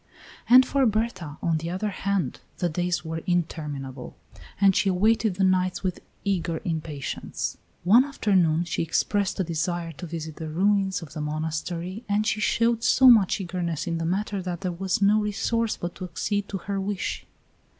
And for Berta, on the other hand, the days were interminable, and she awaited the nights with eager impatience. One afternoon she expressed a desire to visit the ruins of the monastery, and she showed so much eagerness in the matter that there was no resource but to accede to her wish.